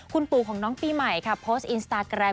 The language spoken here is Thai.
คุณปู่ของน้องปีใหม่ค่ะโพสต์อินสตาแกรม